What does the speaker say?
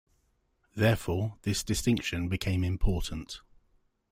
Therefore, this distinction became important.